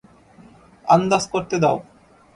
আন্দাজ করতে দাও।